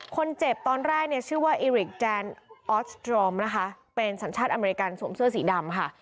คนเจ็บตอนแรกเนี่ยชื่อว่าอิริกแจนออสตรอมนะคะเป็นสัญชาติอเมริกันสวมเสื้อสีดำค่ะ